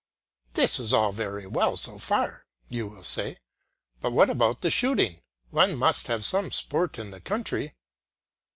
"This is all very well so far," you will say, "but what about the shooting! One must have some sport in the country."